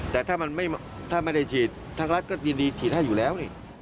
แต่ถ้ามันได้ฉีดเธอคนรัฐก็จะยินดีสีเราอยู่แล้ว